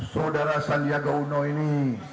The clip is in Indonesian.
saudara sandiaga uno ini